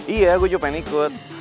iya gue juga pengen ikut